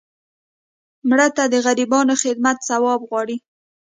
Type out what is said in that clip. مړه ته د غریبانو خدمت ثواب غواړو